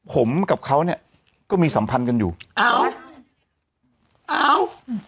ผมกับเขาเนี้ยก็มีสัมพันธ์กันอยู่อ้าวอ้าวอืม